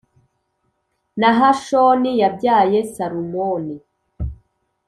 Nahashoni yabyaye Salumoni,